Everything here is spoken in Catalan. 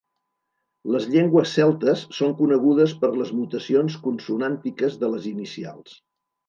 Les llengües celtes són conegudes per les mutacions consonàntiques de les inicials.